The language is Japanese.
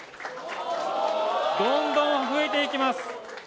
どんどん増えていきます。